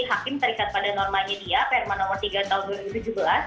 hakim terikat pada normanya dia perma nomor tiga tahun dua ribu tujuh belas